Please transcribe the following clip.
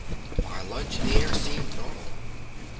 By lunch, the air seemed normal.